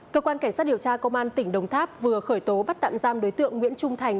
cơ quan cảnh sát điều tra công an tỉnh đồng tháp vừa khởi tố bắt tạm giam đối tượng nguyễn trung thành